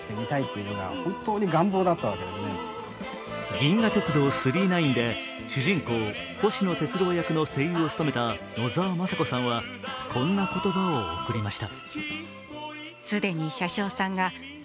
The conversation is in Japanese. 「銀河鉄道９９９」で主人公・星野鉄郎役の声優を務めた野沢雅子さんは、こんな言葉を贈りました。